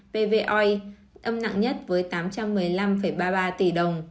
pv oil âm nặng nhất với tám trăm một mươi năm ba mươi ba tỷ đồng